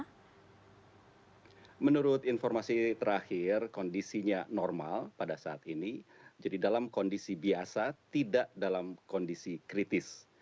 karena menurut informasi terakhir kondisinya normal pada saat ini jadi dalam kondisi biasa tidak dalam kondisi kritis